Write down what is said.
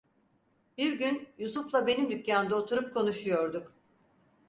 Bir gün Yusuf'la benim dükkanda oturup konuşuyorduk.